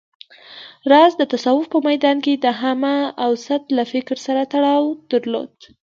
راز د تصوف په ميدان کې د همه اوست له فکر سره تړاو درلود